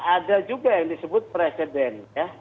ada juga yang disebut presiden